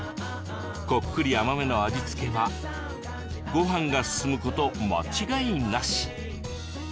こっくり甘めの味付けはごはんが進むこと間違いなし。